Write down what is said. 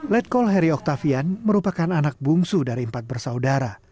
letkol heri oktavian merupakan anak bungsu dari empat bersaudara